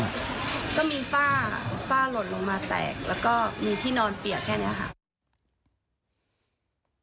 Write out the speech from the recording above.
แล้วก็มีฝ้าหล่นลงมาแตกแล้วก็มีที่นอนเปียกแค่นี้ค่ะ